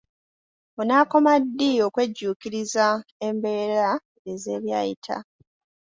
Onaakoma ddi okwejjuukiriza embeera ez'ebyayita?